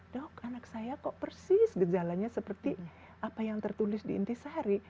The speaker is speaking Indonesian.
dok anak saya kok persis gejalanya seperti apa yang tertulis di intisahari